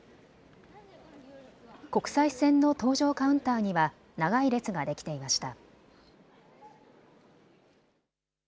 国際線の搭乗カウンターには長い列ができていました。